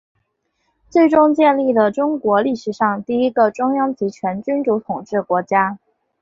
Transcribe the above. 最终建立了中国历史上第一个中央集权君主统治国家。